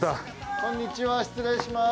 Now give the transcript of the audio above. こんにちは失礼します。